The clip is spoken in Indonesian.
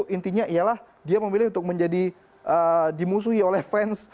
artinya iyalah dia memilih untuk menjadi dimusuhi oleh fans